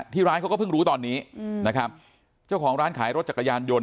ร้านเขาก็เพิ่งรู้ตอนนี้นะครับเจ้าของร้านขายรถจักรยานยนต